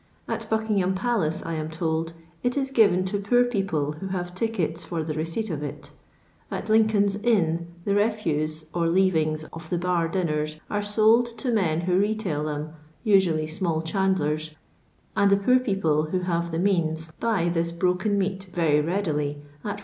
At Buckingham palace, I am told, it is given to poor people who have tickets for the receipt of it At Lincoln's inn the refuse or leavings of the bar dinners are aold to men who retail them, usually small chandlers, and the poor people, who have the means, buy this broken meat very readily at id.